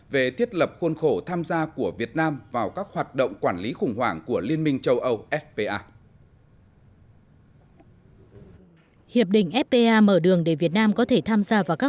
về thiết lập khuôn khổ tham gia của việt nam vào các hoạt động quản lý khủng hoảng của liên minh châu âu fpa